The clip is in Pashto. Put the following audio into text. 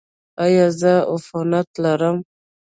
ایا زه عفونت لرم؟